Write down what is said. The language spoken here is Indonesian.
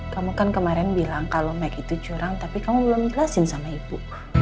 kamu kan kemarin bilang kalau make itu curang tapi kamu belum jelasin sama ibu